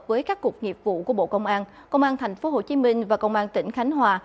với các cuộc nghiệp vụ của bộ công an công an tp hcm và công an tỉnh khánh hòa